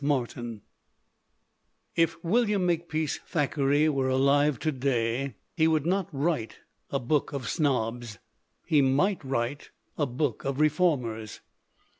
MARTIN IF William Makepeace Thackeray were alive to day he would not write a Book of Snobs. He might write a Book of Reformers.